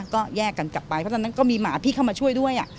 ก็แยกกันกลับไปเพราะตอนนั้นก็มีหมาพี่เข้ามาช่วยด้วย